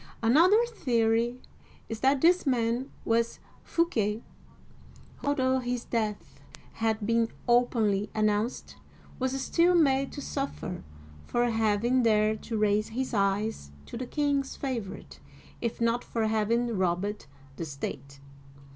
Another theory is that this man was Fouquet, who, although his death had been openly announced, was still made to suffer for having dared to raise his eyes to the king's favorite, if not for having robbed the state